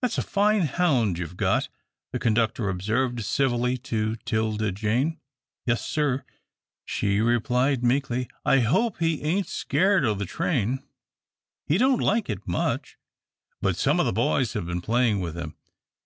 "That's a fine hound you've got," the conductor observed, civilly, to 'Tilda Jane. "Yes, sir," she replied, meekly. "I hope he ain't scared o' the train." "He don't like it much, but some of the boys have been playing with him.